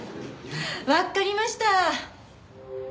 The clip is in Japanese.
わかりました！